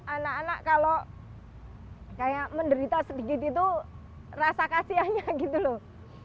anak anak kalau kayak menderita sedikit itu rasa kasihannya gitu loh